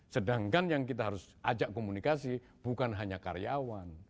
sedangkan yang kita harus ajak komunikasi bukan hanya karyawan